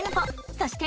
そして。